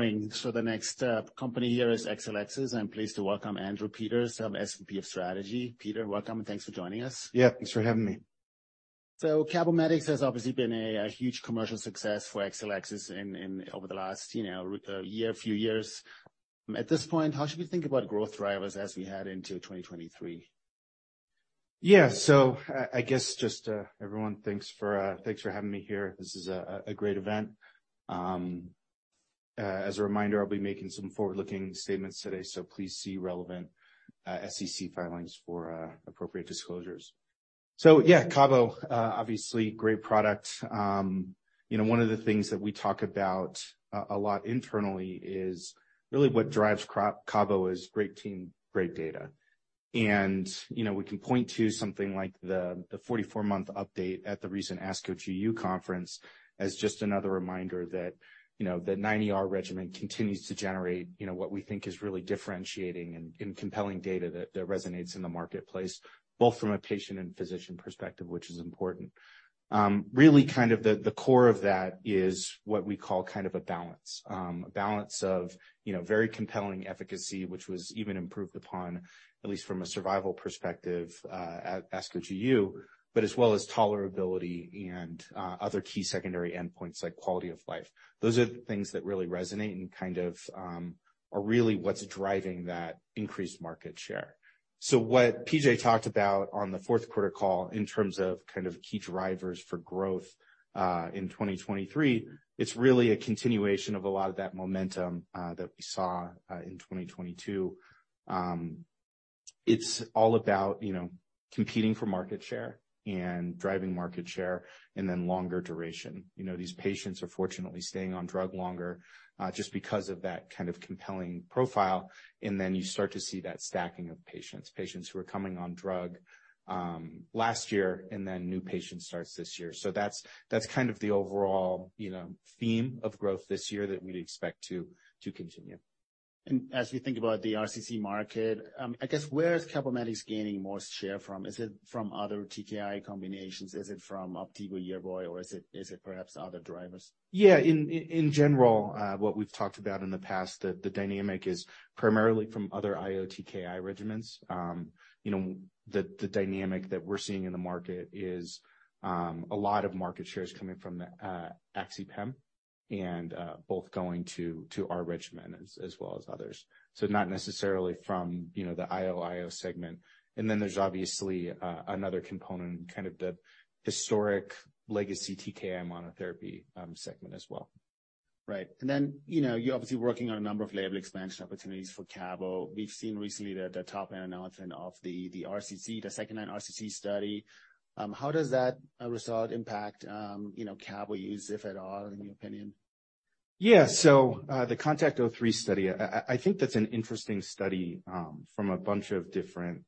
The next company here is Exelixis. I'm pleased to welcome Andrew Peters, SVP of Strategy. Peter, welcome, and thanks for joining us. Yeah, thanks for having me. CABOMETYX has obviously been a huge commercial success for Exelixis over the last, you know, year, few years. At this point, how should we think about growth drivers as we head into 2023? Yeah. I guess just, everyone, thanks for, thanks for having me here. This is a great event. As a reminder, I'll be making some forward-looking statements today, so please see relevant SEC filings for appropriate disclosures. Yeah, CABO, obviously great product. You know, one of the things that we talk about a lot internally is really what drives CABO is great team, great data. You know, we can point to something like the 44 month update at the recent ASCO GU conference as just another reminder that, you know, the 9ER regimen continues to generate, you know, what we think is really differentiating and compelling data that resonates in the marketplace, both from a patient and physician perspective, which is important. Really kind of the core of that is what we call kind of a balance. A balance of, you know, very compelling efficacy, which was even improved upon, at least from a survival perspective, at ASCO GU, but as well as tolerability and other key secondary endpoints like quality of life. Those are the things that really resonate and kind of are really what's driving that increased market share. What PJ talked about on the fourth quarter call in terms of kind of key drivers for growth in 2023, it's really a continuation of a lot of that momentum that we saw in 2022. It's all about, you know, competing for market share and driving market share and then longer duration. You know, these patients are fortunately staying on drug longer, just because of that kind of compelling profile, and then you start to see that stacking of patients who are coming on drug, last year and then new patient starts this year. That's kind of the overall, you know, theme of growth this year that we'd expect to continue. As we think about the RCC market, I guess where is CABOMETYX gaining more share from? Is it from other TKI combinations? Is it from Opdivo Yervoy, or is it, is it perhaps other drivers? In general, what we've talked about in the past, the dynamic is primarily from other IO/TKI regimens. You know, the dynamic that we're seeing in the market is a lot of market shares coming from axitinib and both going to our regimen as well as others. Not necessarily from, you know, the IO/IO segment. There's obviously another component, kind of the historic legacy TKI monotherapy segment as well. Right. You know, you're obviously working on a number of label expansion opportunities for CABO. We've seen recently the top-line announcement of the RCC, the second-line RCC study. How does that result impact, you know, CABO use, if at all, in your opinion? The CONTACT-03 study, I, I think that's an interesting study from a bunch of different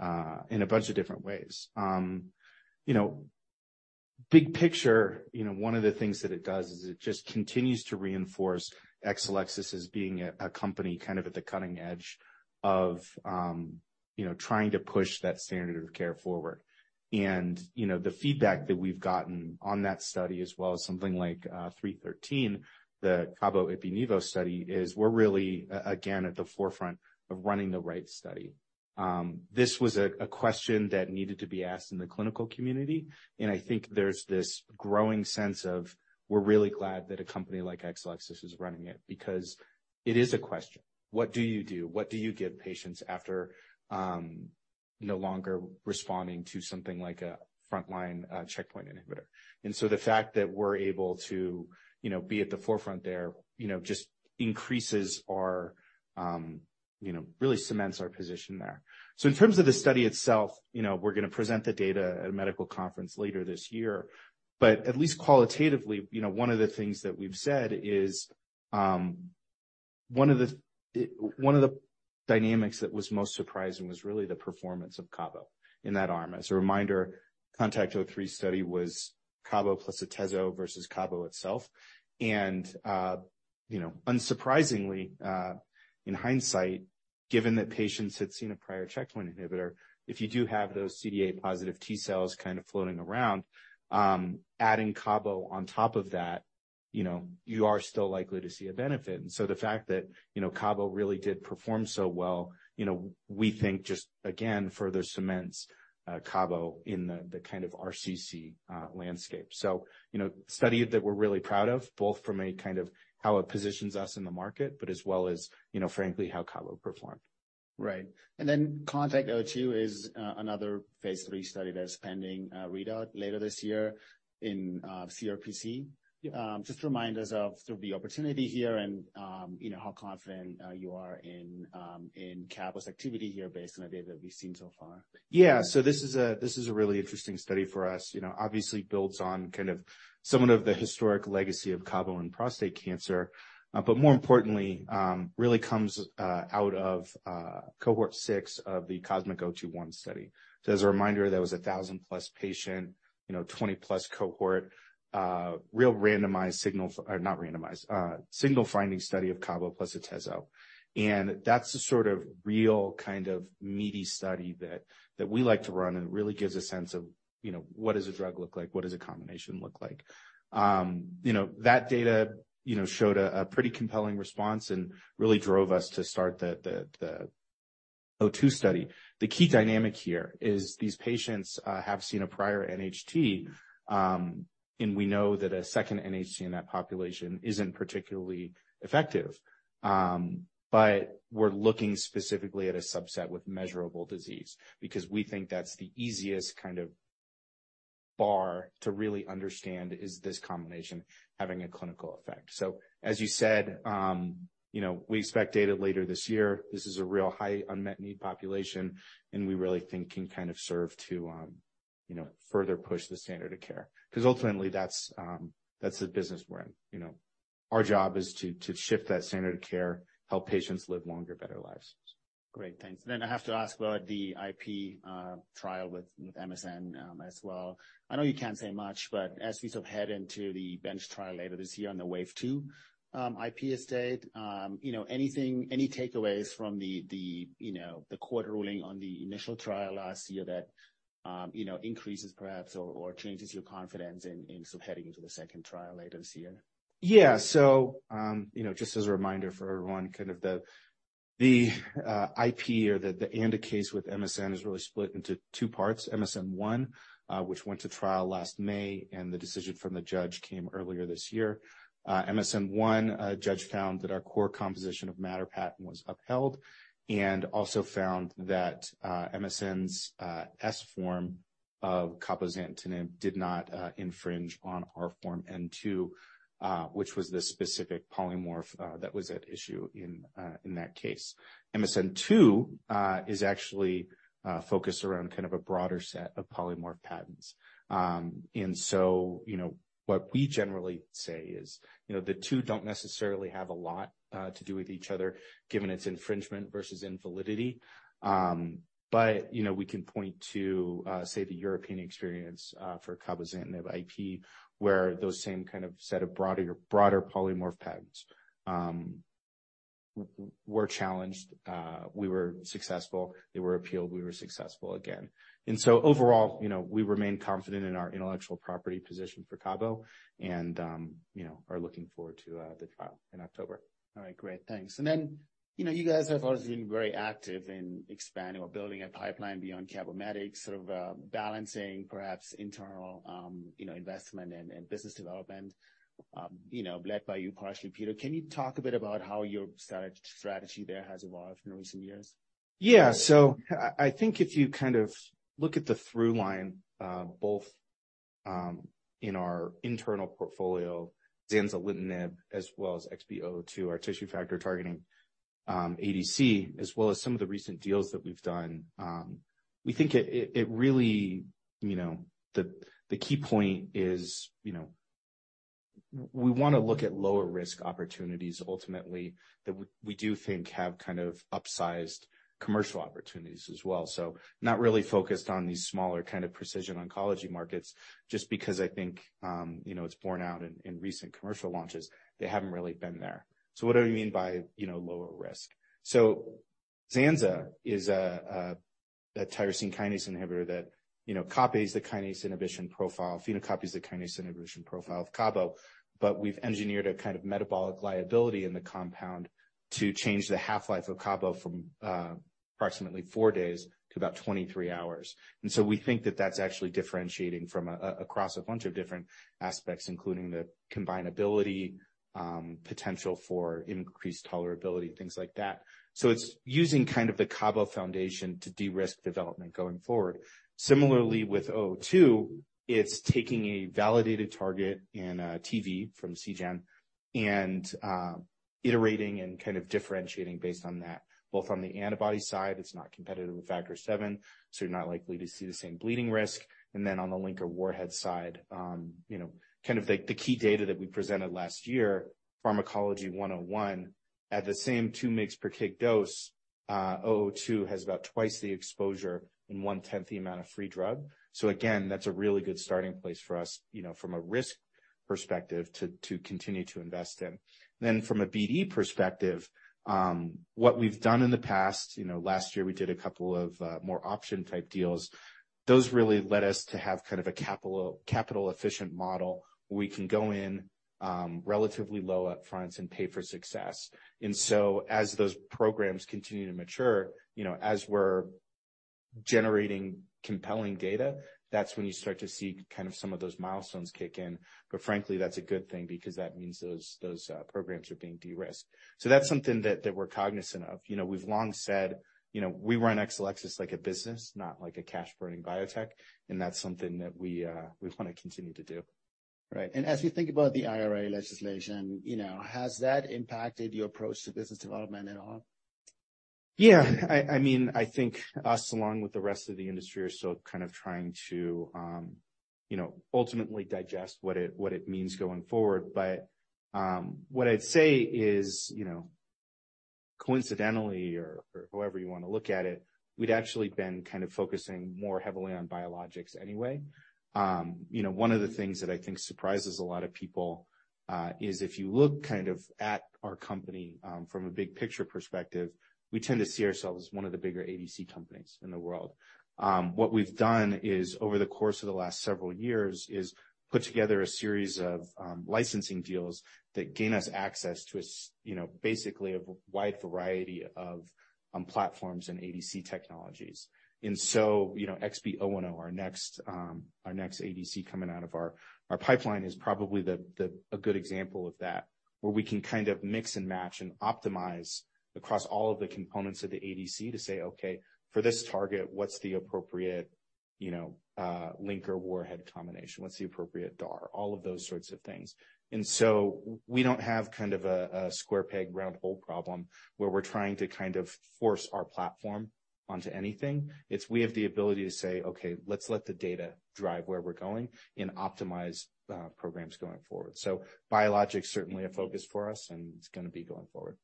in a bunch of different ways. You know, big picture, you know, one of the things that it does is it just continues to reinforce Exelixis as being a company kind of at the cutting edge of, you know, trying to push that standard of care forward. You know, the feedback that we've gotten on that study, as well as something like COSMIC-313, the CABO ipi/nivo study, is we're really again at the forefront of running the right study. This was a question that needed to be asked in the clinical community, and I think there's this growing sense of we're really glad that a company like Exelixis is running it because it is a question. What do you do? What do you give patients after no longer responding to something like a frontline checkpoint inhibitor? The fact that we're able to, you know, be at the forefront there, you know, just increases our, you know, really cements our position there. In terms of the study itself, you know, we're gonna present the data at a medical conference later this year. At least qualitatively, you know, one of the things that we've said is one of the dynamics that was most surprising was really the performance of CABO in that arm. As a reminder, CONTACT-03 study was CABO plus Atezzo versus CABO itself. You know, unsurprisingly, in hindsight, given that patients had seen a prior checkpoint inhibitor, if you do have those CD8-positive T-cells kind of floating around, adding CABO on top of that, you know, you are still likely to see a benefit. The fact that, you know, CABO really did perform so well, you know, we think just again further cements CABO in the kind of RCC landscape. You know, study that we're really proud of, both from a kind of how it positions us in the market, but as well as, you know, frankly, how CABO performed. Right. CONTACT-02 is another phase III study that's pending readout later this year in CRPC. Yeah. Just remind us of sort of the opportunity here and, you know, how confident you are in CABO's activity here based on the data that we've seen so far. This is a really interesting study for us. You know, obviously builds on kind of some of the historic legacy of CABO in prostate cancer. More importantly, really comes out of cohort 6 of the COSMIC-021 study. As a reminder, that was a 1,000+ patient, you know, 20+ cohort, not randomized, single-finding study of CABO plus atezolizumab. That's the sort of real kind of meaty study that we like to run and really gives a sense of, you know, what does a drug look like? What does a combination look like? You know, that data, you know, showed a pretty compelling response and really drove us to start the CONTACT-02 study. The key dynamic here is these patients have seen a prior NHT. We know that a second NHT in that population isn't particularly effective. We're looking specifically at a subset with measurable disease because we think that's the easiest kind of bar to really understand, is this combination having a clinical effect. As you said, you know, we expect data later this year. This is a real high unmet need population, and we really think can kind of serve to, you know, further push the standard of care. Because ultimately that's the business we're in, you know. Our job is to shift that standard of care, help patients live longer, better lives. Great. Thanks. I have to ask about the IP trial with MSN as well. I know you can't say much, but as we sort of head into the bench trial later this year on the Wave 2 IP estate, you know, any takeaways from the, you know, the court ruling on the initial trial last year that, you know, increases perhaps or changes your confidence in sort of heading into the second trial later this year? You know, just as a reminder for everyone, kind of the IP or the ANDA case with MSN is really split into two parts. MSN-1, which went to trial last May, and the decision from the judge came earlier this year. MSN-1, a judge found that our core composition of matter patent was upheld, and also found that MSN's S-form of cabozantinib did not infringe on our Form N-2, which was the specific polymorph that was at issue in that case. MSN-2 is actually focused around kind of a broader set of polymorph patents. You know, what we generally say is, you know, the two don't necessarily have a lot to do with each other given its infringement versus invalidity. You know, we can point to, say the European experience, for cabozantinib IP, where those same kind of set of broader polymorph patents, were challenged. We were successful. They were appealed, we were successful again. Overall, you know, we remain confident in our intellectual property position for CABO and, you know, are looking forward to the trial in October. All right, great. Thanks. You know, you guys have always been very active in expanding or building a pipeline beyond CABOMETYX, sort of, balancing perhaps internal, you know, investment and business development, you know, led by you partially, Peter. Can you talk a bit about how your strategy there has evolved in recent years? I think if you kind of look at the through line, both in our internal portfolio, zanzalintinib, as well as XB002, our tissue factor targeting ADC, as well as some of the recent deals that we've done, we think it really. You know, the key point is, you know, we wanna look at lower risk opportunities ultimately that we do think have kind of upsized commercial opportunities as well. Not really focused on these smaller kind of precision oncology markets, just because I think, you know, it's borne out in recent commercial launches, they haven't really been there. What do we mean by, you know, lower risk? Zanza is a tyrosine kinase inhibitor that, you know, copies the kinase inhibition profile, phenocopies the kinase inhibition profile of CABO, but we've engineered a kind of metabolic liability in the compound to change the half-life of CABO from approximately four days to about 23 hours. We think that that's actually differentiating from a across a bunch of different aspects, including the combinability, potential for increased tolerability, things like that. It's using kind of the CABO foundation to de-risk development going forward. Similarly with XB002, it's taking a validated target in TV from Seagen and iterating and kind of differentiating based on that, both on the antibody side, it's not competitive with Factor VIIa, so you're not likely to see the same bleeding risk. On the linker-warhead side, you know, kind of the key data that we presented last year, pharmacology 101, at the same 2 mg/kg dose, CONTACT-02 has about twice the exposure and 1/10 the amount of free drug. Again, that's a really good starting place for us, you know, from a risk perspective to continue to invest in. From a BD perspective, what we've done in the past, you know, last year we did a couple of more option type deals. Those really led us to have kind of a capital efficient model. We can go in, relatively low up front and pay for success. As those programs continue to mature, you know, as we're generating compelling data, that's when you start to see kind of some of those milestones kick in. Frankly, that's a good thing because that means those programs are being de-risked. That's something that we're cognizant of. You know, we've long said, you know, we run Exelixis like a business, not like a cash burning biotech, and that's something that we wanna continue to do. Right. As you think about the IRA legislation, you know, has that impacted your approach to business development at all? Yeah. I mean, I think us along with the rest of the industry are still kind of trying to, you know, ultimately digest what it means going forward. What I'd say is, you know, coincidentally, or however you want to look at it, we'd actually been kind of focusing more heavily on biologics anyway. You know, one of the things that I think surprises a lot of people, is if you look kind of at our company, from a big picture perspective, we tend to see ourselves as one of the bigger ADC companies in the world. What we've done is over the course of the last several years, is put together a series of licensing deals that gain us access to a, you know, basically a wide variety of platforms and ADC technologies. You know, XB010, our next ADC coming out of our pipeline is probably the a good example of that, where we can kind of mix and match and optimize across all of the components of the ADC to say, "Okay, for this target, what's the appropriate, you know, link or warhead combination? What's the appropriate DAR?" All of those sorts of things. We don't have kind of a square peg, round hole problem where we're trying to kind of force our platform onto anything. It's, we have the ability to say, "Okay, let's let the data drive where we're going and optimize programs going forward." Biologics certainly a focus for us, and it's gonna be going forward.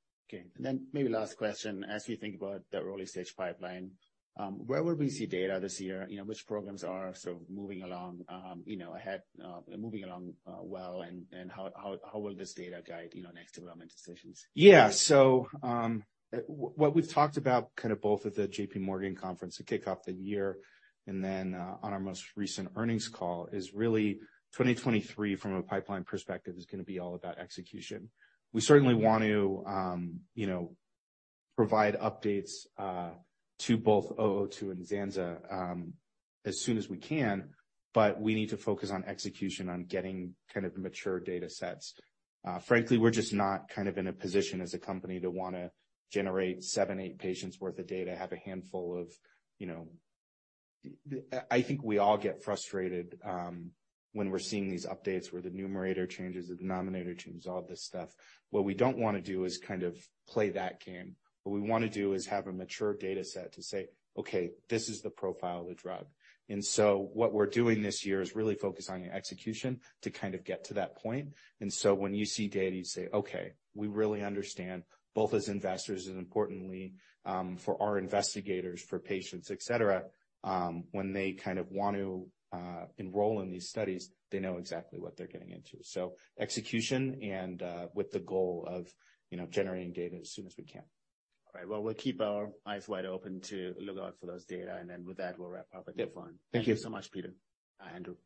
Maybe last question. As you think about the early stage pipeline, where will we see data this year? You know, which programs are sort of moving along, you know, ahead, moving along well, and how will this data guide, you know, next development decisions? Yeah. What we've talked about kind of both at the J.P. Morgan conference to kick off the year and then on our most recent earnings call, is really 2023 from a pipeline perspective is gonna be all about execution. We certainly want to, you know, provide updates to both XL092 and Zanza as soon as we can, but we need to focus on execution, on getting kind of mature data sets. Frankly, we're just not kind of in a position as a company to wanna generate seven, eight patients worth of data, have a handful of, you know... I think we all get frustrated when we're seeing these updates where the numerator changes, the denominator changes, all this stuff. What we don't wanna do is kind of play that game. What we wanna do is have a mature data set to say, "Okay, this is the profile of the drug." What we're doing this year is really focus on the execution to kind of get to that point. When you see data, you say, "Okay, we really understand both as investors and importantly, for our investigators, for patients, et cetera, when they kind of want to enroll in these studies, they know exactly what they're getting into. Execution and, with the goal of, you know, generating data as soon as we can. All right. Well, we'll keep our eyes wide open to look out for those data. With that, we'll wrap up the call. Yeah. Thank you. Thank you so much, Peter. Andrew.